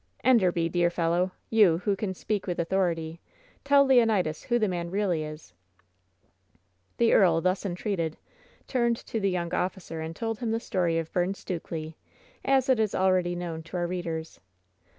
"Enderby, dear fellow! You, who can speak with authority, tell Leonidas who the man really is." The earl, thus entreated, turned to the young officer 10* WHEN SHADOWS DIE and told him the story of Byrne Stnkely, as it is already known to our readers.